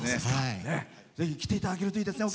ぜひ、来ていただけるといいですね。